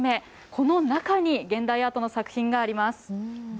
この中に現代アートの作品があります。